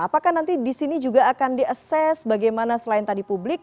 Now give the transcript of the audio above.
apakah nanti di sini juga akan di asses bagaimana selain tadi publik